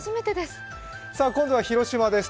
今度は広島です。